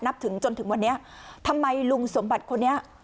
ถึงจนถึงวันนี้ทำไมลุงสมบัติคนนี้